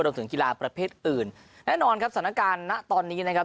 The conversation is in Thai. รวมถึงกีฬาประเภทอื่นแน่นอนครับสถานการณ์ณตอนนี้นะครับ